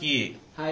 はい。